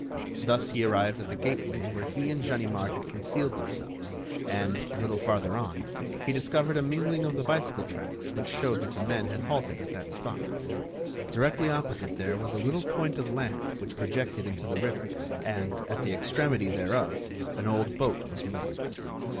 Thus he arrived at the gateway where he and Ganimard had concealed themselves, and, a little farther on, he discovered a mingling of the bicycle tracks which showed that the men had halted at that spot. Directly opposite there was a little point of land which projected into the river and, at the extremity thereof, an old boat was moored.